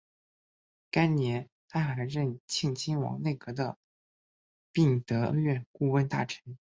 该年他还任庆亲王内阁的弼德院顾问大臣。